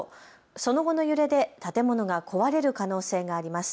その後の揺れで建物が壊れる可能性があります。